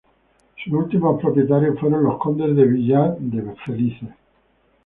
Sus últimos propietarios fueron los Condes de Villar de Felices.